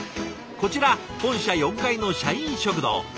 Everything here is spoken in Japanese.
こちら本社４階の社員食堂。